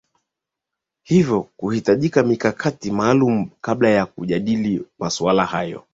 hivyo kuhitajika mikakati maalum kabla ya kujadili masuala hayo